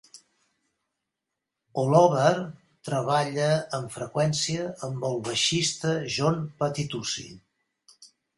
Holober treballa amb freqüència amb el baixista John Patitucci.